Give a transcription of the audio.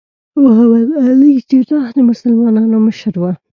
محمد علي جناح د مسلمانانو مشر و.